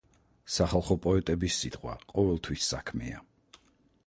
სახალხო პოეტების სიტყვა ყოველთვის საქმეა.